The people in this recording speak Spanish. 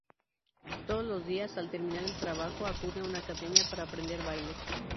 Todos los días, al terminar el trabajo acude a una academia para aprender baile.